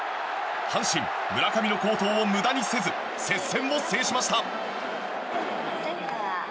阪神、村上の好投を無駄にせず接戦を制しました。